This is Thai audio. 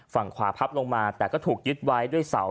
ฝั่งขวาพับลงมาแต่ก็ถูกยึดไว้ด้วยเสา